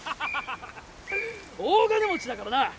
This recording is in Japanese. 大金持ちだからな！